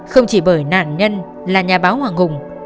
không chỉ bởi nạn nhân là nhà báo hoàng hùng